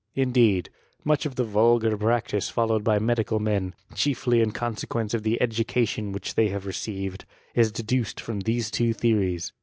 Indeed, much of tba vulgar practice followed by medical men, chiefly ia consequence of the education which they have t»tf ceived, is deduced from these two theories.